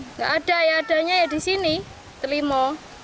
nggak ada ya adanya ya di sini telimo